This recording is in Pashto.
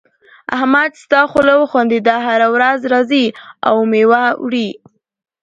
احمد ستا خوله وخوندېده؛ هر ورځ راځې او مېوه وړې.